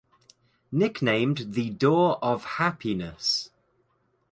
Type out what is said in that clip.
Nicknamed the Door of Happiness.